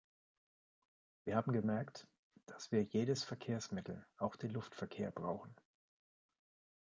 Wir haben gemerkt, dass wir jedes Verkehrsmittel, auch den Luftverkehr, brauchen.